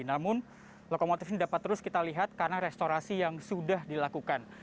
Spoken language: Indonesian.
namun lokomotif ini dapat terus kita lihat karena restorasi yang sudah dilakukan